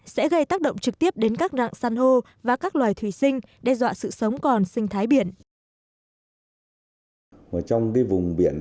sẽ gây tác động trực tiếp đến các rạng san hô và các loài thủy sinh đe dọa sự sống còn sinh thái biển